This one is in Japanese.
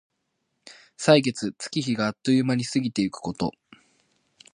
歳月、月日があっという間に過ぎてゆくこと。